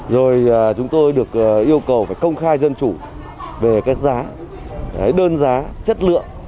rồi chúng tôi được yêu cầu phải công khai dân chủ về các giá đơn giá chất lượng